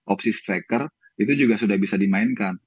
opsi striker itu juga sudah bisa dimainkan